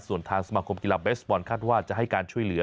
ส่วนทางสมาคมกีฬาเบสบอลคาดว่าจะให้การช่วยเหลือ